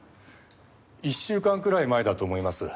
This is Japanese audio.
１週間くらい前だと思います。